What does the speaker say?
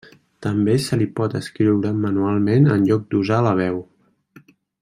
També se li pot escriure manualment en lloc d'usar la veu.